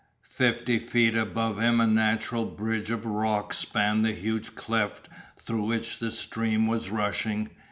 Fifty feet above him a natural bridge of rock spanned the huge cleft through which the stream was rushing.